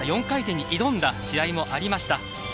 ４回転に挑んだ試合もありました。